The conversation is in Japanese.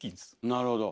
なるほど。